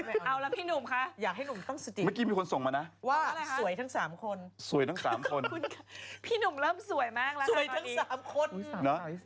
เอาละพี่หนุ่มคะอยากให้หนุ่มต้องสุดิว่าสวยทั้ง๓คนพี่หนุ่มเริ่มสวยมากแล้วครับพี่สวยทั้ง๓คน